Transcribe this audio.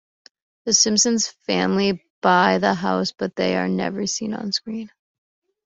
The Simpson family buy the house, but they are never seen on screen.